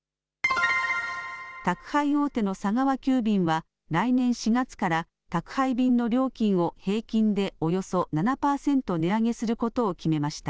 宅配大手の佐川急便は来年４月から宅配便の料金を平均でおよそ７パーセント値上げすることを決めました。